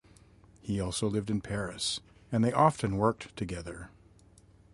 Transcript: He also lived in Paris and they often worked together.